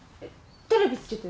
テレビつけて。